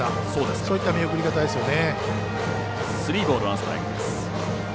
そういった見送り方ですね。